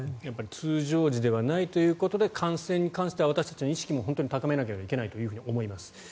通常時ではないということで、感染に関しては私たちの意識も高めないといけないと思います。